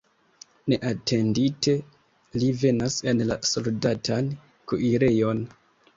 Neatendite li venas en la soldatan kuirejon.